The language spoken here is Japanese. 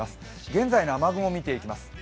現在の雨雲を見ていきます。